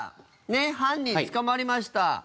犯人捕まりました。